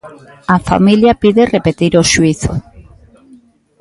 A familia pide repetir o xuízo.